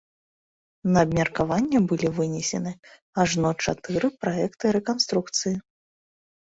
На абмеркаванне былі вынесены ажно чатыры праекты рэканструкцыі.